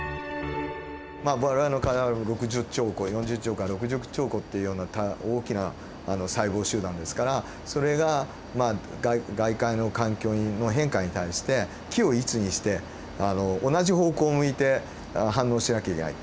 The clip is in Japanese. まあ我々の体は６０兆個４０兆から６０兆個っていうような大きな細胞集団ですからそれがまあ外界の環境の変化に対して軌を一にして同じ方向を向いて反応しなきゃいけない。